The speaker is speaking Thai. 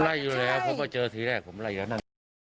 ไล่อยู่แล้วเพราะว่าเจอทีแรกผมไล่แล้วนั่น